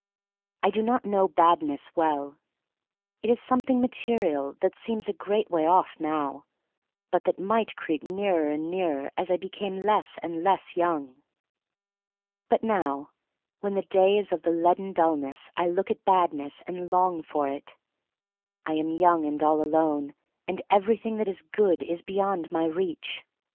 I do not know Badness well. It is something material that seems a great way off now, but that might creep nearer and nearer as I became less and less young. But now when the day is of the leaden dullness I look at Badness and long for it. I am young and all alone, and everything that is good is beyond my reach.